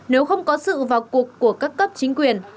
nếu không có sự vào cuộc của các cấp chính quyền